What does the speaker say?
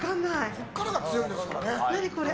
ここからが強いですよね。